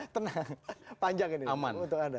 tenang panjang ini aman untuk anda